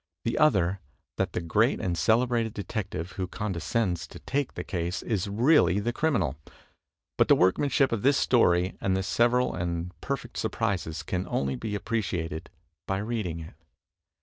The other that the great and celebrated de tective who condescends to take the case is really the crimi nal. But the workmanship of this story and the several and perfect surprises can only be appreciated by reading it.